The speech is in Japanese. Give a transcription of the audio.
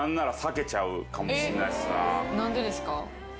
何でですか？